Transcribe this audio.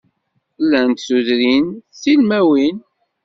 Llant tudrin ttilmawin.